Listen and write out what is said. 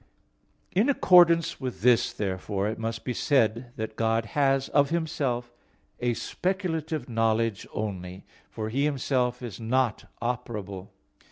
In accordance with this, therefore, it must be said that God has of Himself a speculative knowledge only; for He Himself is not operable.